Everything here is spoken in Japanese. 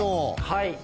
はい。